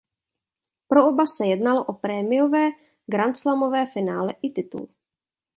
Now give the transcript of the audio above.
Pro oba se jednalo o premiérové grandslamové finále i titul.